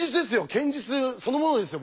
堅実そのものですよ